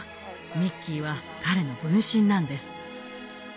ミッキーは彼の分身なんです。